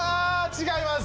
違います！